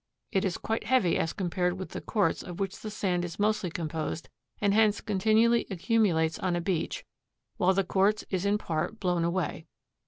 It is quite heavy as compared with the quartz of which the sand is mostly composed, and hence continually accumulates on a beach, while the quartz is in part blown away.